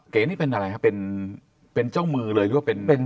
เก๋นี่เป็นอะไรครับเป็นเจ้ามือเลยหรือเป็น